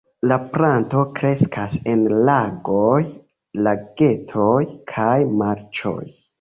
La planto kreskas en lagoj, lagetoj kaj marĉoj.